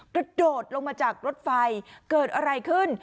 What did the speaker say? กระโดดลงมาจากรถไฟเกิดอะไรขึ้น